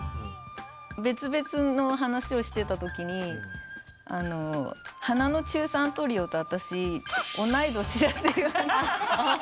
別々の話をしてたときに花の中三トリオと私同い年だという話。